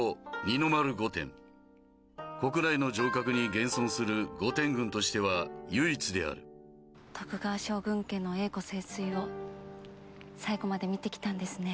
国内の城郭に現存する御殿群としては唯一である徳川将軍家の栄枯盛衰を最後まで見てきたんですね。